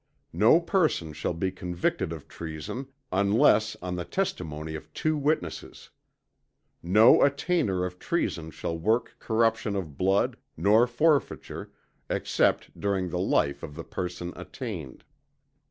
No person shall be convicted of treason, unless on the testimony of two witnesses. No attainder of treason shall work corruption of blood, nor forfeiture, except during the life of the person attainted.